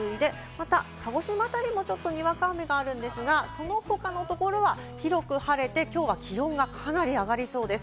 また鹿児島あたりもちょっと、にわか雨があるんですが、その他のところは広く晴れて、きょうは気温がかなり上がりそうです。